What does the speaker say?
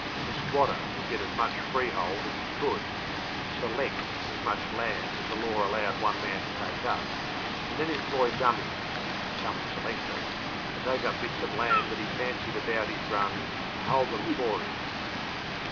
The squatter would get as much freehold as he could afford, ŌĆśselectŌĆÖ as much land as the law allowed one man to take up, and then employ dummies (dummy selectors) to take up bits of land that he fancied about his run, and hold them for him.